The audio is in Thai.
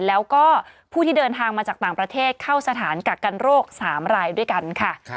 แล้วก็ผู้ที่เดินทางมาจากต่างประเทศเข้าสถานกักกันโรค๓รายด้วยกันค่ะ